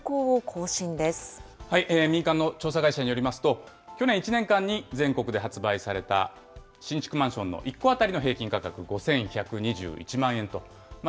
全国の新築マンションの平均価格、過去最高を更新民間の調査会社によりますと、去年１年間に全国で発売された新築マンションの１戸当たりの平均価格５１２１万円と。